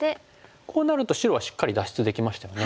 こうなると白はしっかり脱出できましたよね。